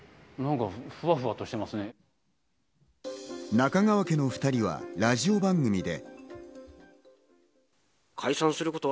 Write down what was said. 中川家の２人はラジオ番組で。